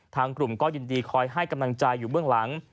ทางกลุ่มก็ยินดีคอยให้กำลังใจอยู่เบื้องหลัง